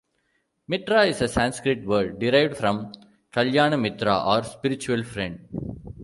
"Mitra" is a Sanskrit word derived from kalyanamitra or "spiritual friend.